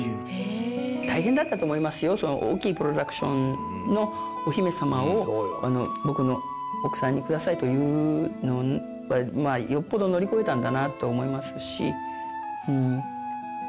大きいプロダクションのお姫様を「僕の奥さんにください」と言うのはまあよっぽど乗り越えたんだなと思いますし。